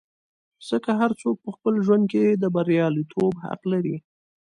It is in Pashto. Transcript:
ځکه هر څوک په خپل ژوند کې د بریالیتوب حق لري.